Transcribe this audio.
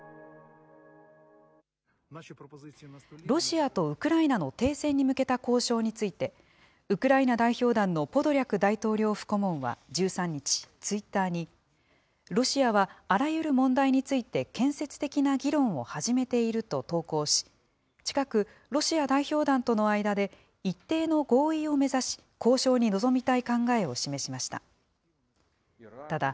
ロシアとウクライナの停戦に向けた交渉について、ウクライナ代表団のポドリャク大統領府顧問は１３日、ツイッターに、ロシアはあらゆる問題について建設的な議論を始めていると投稿し、近く、ロシア代表団との間で一定の合意を目指し、交渉に臨みたい考えを示しました。